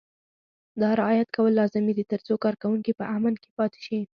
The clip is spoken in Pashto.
دا رعایت کول لازمي دي ترڅو کارکوونکي په امن کې پاتې شي.